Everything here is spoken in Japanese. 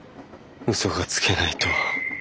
嘘がつけないと。